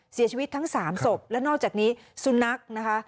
เสียชีวิตทั้งสามศพและนอกจากนี้สุนัขนะคะ